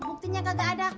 buktinya kagak ada